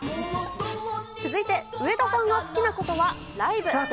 続いて上田さんが好きなことスタート。